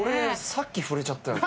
さっき触れちゃったよ。